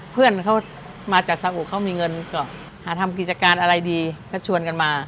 เพื่อนเขามาจากสาอุเขามีเงินก็หาทำกิจการอะไรดีก็ชวนกันมา